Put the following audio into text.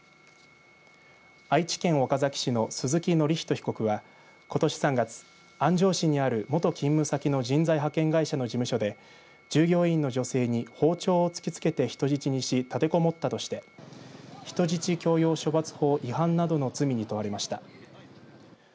愛知県岡崎市の鈴木教仁被告はことし３月、安城市にある元勤務先の人材派遣会社の事務所で従業員の女性に包丁を突き付けて人質にし立てこもったとして人質強要処罰法違反などの罪に問われました。